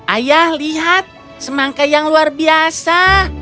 ayah lihat semangka yang luar biasa